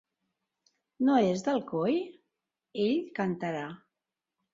No és d'Alcoi?... Ell cantarà!